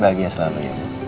bahagia selalu ya